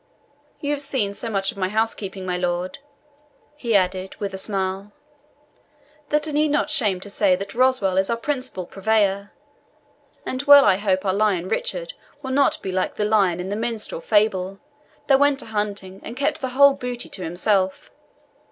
You have seen so much of my house keeping, my lord," he added, with a smile, "that I need not shame to say that Roswal is our principal purveyor, and well I hope our Lion Richard will not be like the lion in the minstrel fable, that went a hunting, and kept the whole booty to himself.